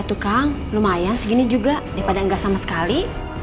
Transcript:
tukang lumayan segini juga daripada enggak sama sekali